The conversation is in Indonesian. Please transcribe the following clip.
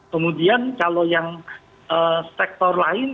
kemudian kalau yang sektor lain